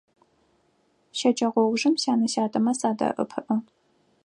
Щэджэгъоужым сянэ-сятэмэ садэӀэпыӀэ.